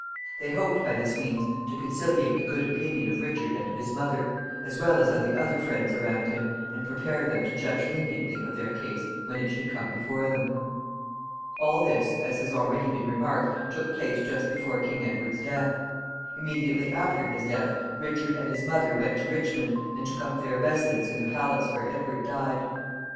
They hoped by this means to conciliate the good opinion of Richard and of his mother, as well as of the other friends around him, and prepare them to judge leniently of their case when it should come before them. All this, as has already been remarked, took place just before King Edward's death. Immediately after his death Richard and his mother went to Richmond, and took up their residence in the palace where Edward died.